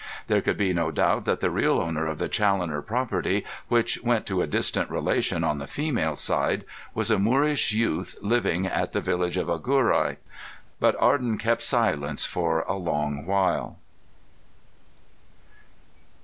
There could be no doubt that the real owner of the Challoner property, which went to a distant relation on the female side, was a Moorish youth living at the village of Agurai. But Arden kept silence for a long while.